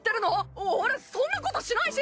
お俺そんなことしないし！